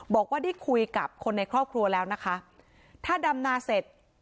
บอกว่าได้คุยกับคนในครอบครัวแล้วนะคะถ้าดำนาเสร็จ